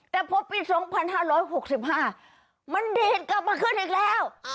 แต่พอปี๒๕๖๕มันดีดกลับมาขึ้นอีกแล้ว